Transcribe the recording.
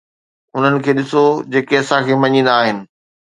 انهن کي ڏسو جيڪي اسان کي مڃيندا آهن